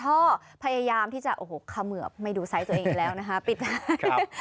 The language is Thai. เพราะพยายามที่จะเขมือบไม่ดูไซส์ตัวเองอีกแล้วนะคะปิดท้าย